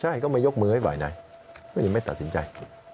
ใช่ก็ไม่ยกมือให้ฝ่ายไหนก็ยังไม่ตัดสินใจ